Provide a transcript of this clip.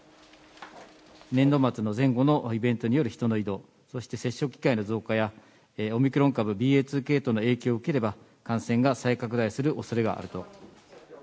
年度末の前後のイベントによる人の移動、そして接触機会の増加や、オミクロン株ＢＡ．２系統の影響を受ければ感染が再拡大するおそれがあると。